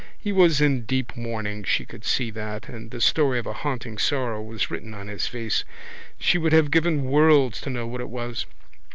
He was in deep mourning, she could see that, and the story of a haunting sorrow was written on his face. She would have given worlds to know what it was.